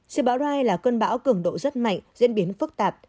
siêu bão rai là cơn bão cường độ rất mạnh diễn biến phức tạp